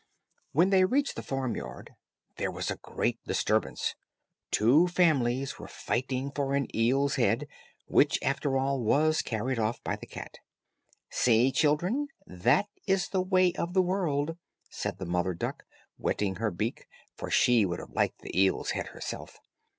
When they reached the farmyard, there was a great disturbance, two families were fighting for an eel's head, which, after all, was carried off by the cat. "See, children, that is the way of the world," said the mother duck, whetting her beak, for she would have liked the eel's head herself.